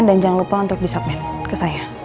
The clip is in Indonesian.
dan jangan lupa untuk disubmin ke saya